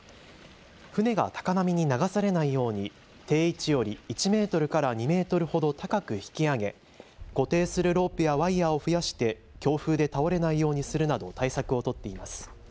船が高波に流されないように定位置より１メートルから２メートルほど高く引き上げ固定するロープやワイヤーを増やして強風で倒れないようにするなど対策を取っています。